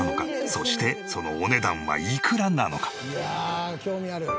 そしてそのお値段はいくらなのか？